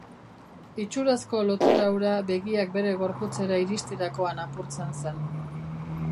Itxurazko lotura hura begiak bere gorputzera iristerakoan apurtzen zen.